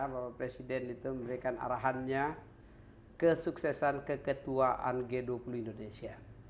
bapak presiden itu memberikan arahannya kesuksesan keketuaan g dua puluh indonesia